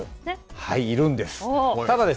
はい、いるんです。